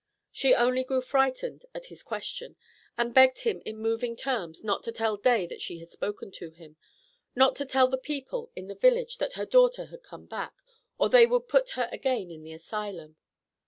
She only grew frightened at his questions, and begged him in moving terms not to tell Day that she had spoken to him not to tell the people in the village that her daughter had come back, or they would put her again in the asylum.